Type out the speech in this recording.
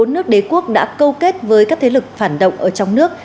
một mươi bốn nước đế quốc đã câu kết với các thế lực phản động ở trong nước